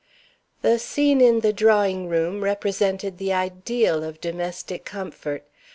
The scene in the drawing room represented the ideal of domestic comfort.